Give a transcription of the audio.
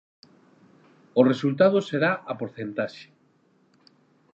O resultado será a porcentaxe.